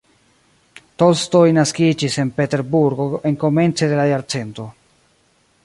Tolstoj naskiĝis en Peterburgo en komence de la jarcento.